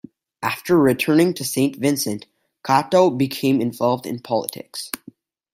After returning to Saint Vincent, Cato became involved in politics.